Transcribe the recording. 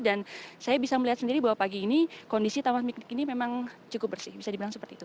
dan saya bisa melihat sendiri bahwa pagi ini kondisi taman piknik ini memang cukup bersih bisa dibilang seperti itu